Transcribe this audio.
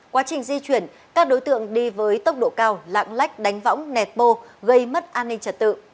quá trình di chuyển các đối tượng đi với tốc độ cao lạng lách đánh võng nẹt bô gây mất an ninh trật tự